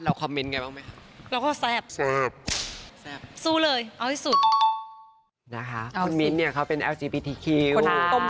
แล้วคอมเมนต์ไงบ้างไหม